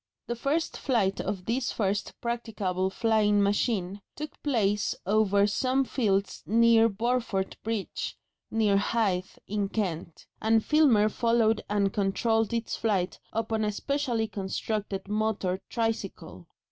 The first flight of this first practicable flying machine took place over some fields near Burford Bridge, near Hythe, in Kent, and Filmer followed and controlled its flight upon a specially constructed motor tricycle.